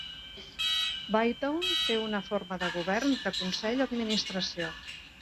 Baytown té una forma de govern de consell-administració.